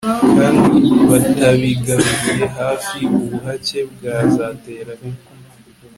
kandi batabigaruriye hafi, ubuhake bwazatera bibi